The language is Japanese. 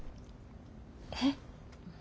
えっ。